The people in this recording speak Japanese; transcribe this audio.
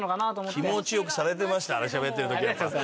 気持ち良くされてましたねしゃべってる時やっぱ。